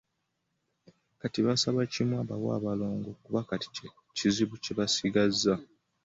Kati basaba kimu abawe abalongo kuba kye kizibu kye basigazza.